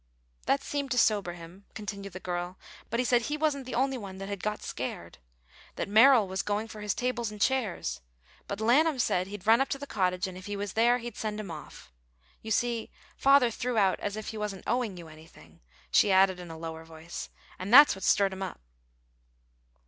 "That seemed to sober him," continued the girl; "but he said he wasn't the only one that had got scared; that Merrill was going for his tables and chairs; but Lanham said he'd run up to the cottage, and if he was there, he'd send him off. You see, father threw out as if he wasn't owing you anything," she added, in a lower voice, "and that's what stirred 'em up."